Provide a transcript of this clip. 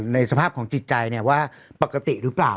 ในสภาพของจิตใจว่าปกติหรือเปล่า